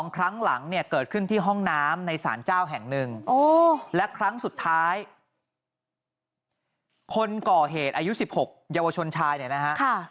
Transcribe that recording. ครั้งหลังเนี่ยเกิดขึ้นที่ห้องน้ำในสารเจ้าแห่งหนึ่งและครั้งสุดท้ายคนก่อเหตุอายุ๑๖เยาวชนชายเนี่ยนะฮะ